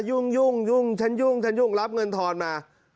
ยุ่งฉันยุ่งรับเงินทอนมา